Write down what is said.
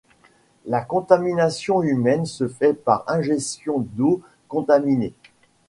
La contamination humaine se fait par ingestion d'eau contaminée.